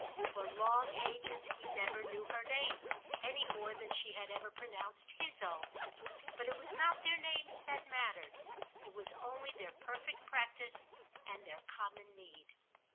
For long ages he never knew her name, any more than she had ever pronounced his own; but it was not their names that mattered, it was only their perfect practice and their common need.